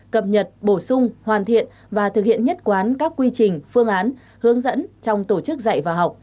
cập nhật bổ sung hoàn thiện và thực hiện nhất quán các quy trình phương án hướng dẫn trong tổ chức dạy và học